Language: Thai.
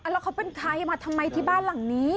แล้วเขาเป็นใครมาทำไมที่บ้านหลังนี้